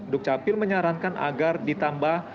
duk capil menyarankan agar ditambah